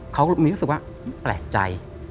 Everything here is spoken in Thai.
เขามีรู้สึกว่าแปลกใจ